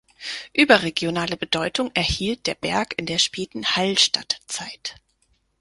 Überregionale Bedeutung erhielt der Berg in der späten Hallstattzeit.